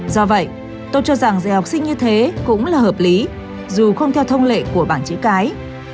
do vậy tôi cho rằng dạy học sinh như thế cũng là hợp lý dù không theo thông lệ của bảng chữ cái